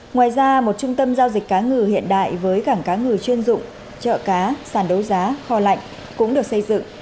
ngoài ra một trung tâm giao dịch cá ngừ hiện đại với cảng cá ngừ chuyên dụng chợ cá sản đấu giá kho lạnh cũng được xây dựng